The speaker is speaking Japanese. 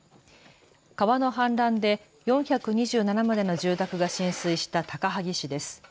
川の氾濫で４２７棟の住宅が浸水した高萩市です。